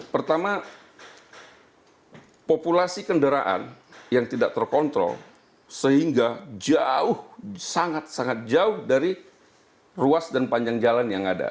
pertama populasi kendaraan yang tidak terkontrol sehingga jauh sangat sangat jauh dari ruas dan panjang jalan yang ada